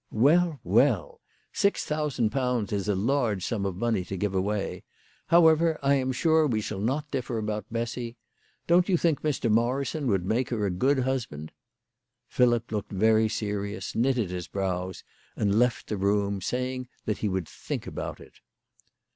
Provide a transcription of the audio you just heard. " Well, well. Six thousand pounds is a large sum of money to give away. However, I am sure we shall not differ about Bessy. Don't you think Mr. Morrison would make her a good husband ?" Philip looked very serious, knitted his brows, and left the room, saying that he would think about it.